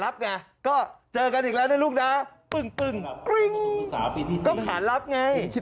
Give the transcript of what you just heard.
โปรดติดตามตอนต่อไป